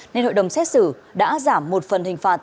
nên hội đồng xét xử đã giảm một phần hình phạt